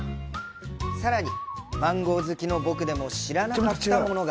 さらに、マンゴー好きの僕でも知らなかったものが！